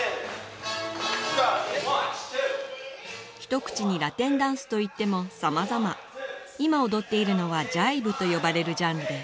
ひと口にラテンダンスといってもさまざま今踊っているのはジャイブと呼ばれるジャンルです